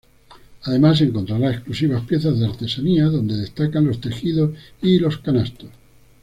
Además, encontrará exclusivas piezas de artesanía, donde destacan los tejidos y los canastos.